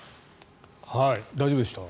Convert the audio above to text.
大丈夫でした？